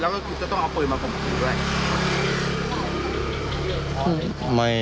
แล้วก็จะต้องเอาเปรย์มาบรรจุลูกก็ได้